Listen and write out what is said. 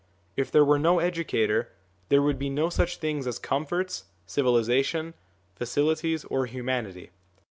If there were no educator, there would be no such things as comforts, civilisation, facilities, or humanity.